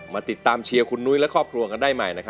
มาติดตามเชียร์คุณนุ้ยและครอบครัวกันได้ใหม่